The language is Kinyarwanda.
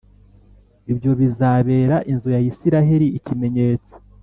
Ibyo bizabera inzu ya Isirayeli ikimenyetso